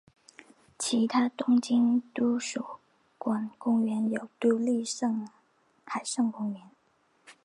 其他东京都所管公园有都立海上公园。